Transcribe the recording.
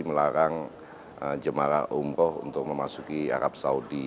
melarang jemaah umroh untuk memasuki arab saudi